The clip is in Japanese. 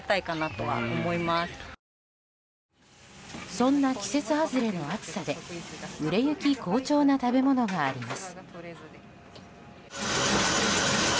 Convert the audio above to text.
そんな季節外れの暑さで売れ行き好調な食べ物があります。